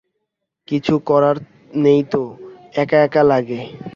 কিছু করার নেই তো, একা একা লাগে।